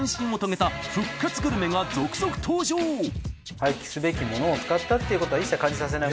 廃棄すべきものを使ったっていうことは一切感じさせない。